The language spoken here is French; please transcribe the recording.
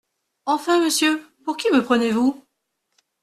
Enfin, monsieur, pour qui me prenez-vous ?